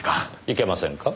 いけませんか？